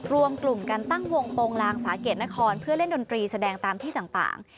รวมกลุ่มกันตั้งวงโปรงลางสาเกตนครเพื่อเล่นดนตรีแสดงตามที่ต่าง